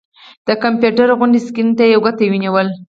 د کمپيوټر غوندې سکرين ته يې ګوته ونيوله